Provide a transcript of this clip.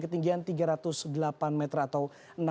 ketinggian tiga ratus delapan meter atau